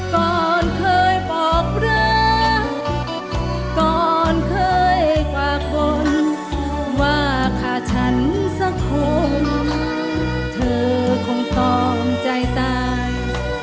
ก่อนเคยบอกเรื่องก่อนเคยกว่ากลว่าข้าฉันสักคนเธอคงต้องใจตาย